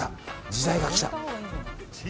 時代が来た！